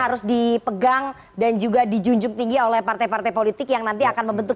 harus dipegang dan juga dijunjung tinggi oleh partai partai politik yang nanti akan membentuk